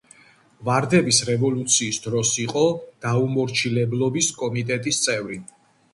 ვარდების რევოლუციის დროს იყო „დაუმორჩილებლობის კომიტეტის“ წევრი.